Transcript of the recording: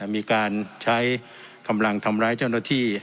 มีการใช้กำลังทำร้ายเจ้าหน้าที่